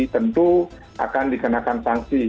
tentu akan dikenakan sanksi